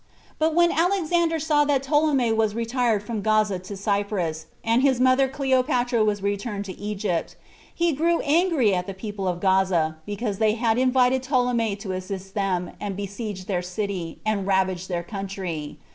But when Alexander saw that Ptolemy was retired from Gaza to Cyprus, and his mother Cleopatra was returned to Egypt, he grew angry at the people of Gaza, because they had invited Ptolemy to assist them, and besieged their city, and ravaged their country.